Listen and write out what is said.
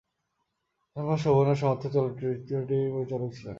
তার মা শোভনা সমর্থ চলচ্চিত্রটির পরিচালক ছিলেন।